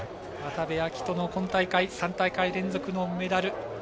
渡部暁斗も今大会３大会連続のメダル。